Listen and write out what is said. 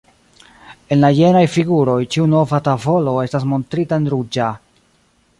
En jenaj figuroj, ĉiu nova tavolo estas montrita en ruĝa.